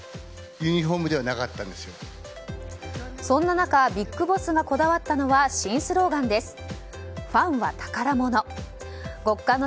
そんな中ビッグボスがこだわったのは新スローガンです。